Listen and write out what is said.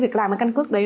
việc làm căn cước đấy